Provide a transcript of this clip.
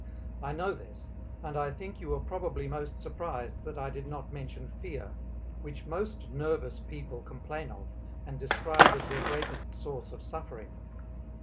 I know this, and I think you were probably most surprised that I did not mention fear, which most nervous people complain of and describe as their greatest source of suffering.